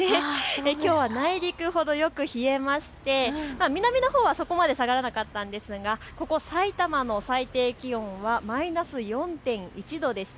きょうは内陸ほどよく冷えまして、南のほうはそこまで下がらなかったんですが、ここさいたまの最低気温はマイナス４．１度でした。